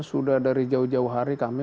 sudah dari jauh jauh hari kami